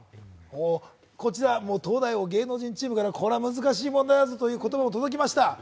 東大王、芸能人チームからこれは難しい問題だぞという言葉も届きました。